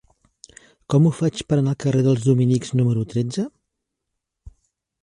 Com ho faig per anar al carrer dels Dominics número tretze?